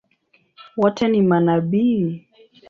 Wote ni manabii?